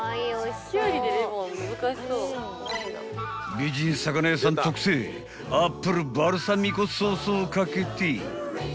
［美人魚屋さん特製アップルバルサミコソースを掛けて］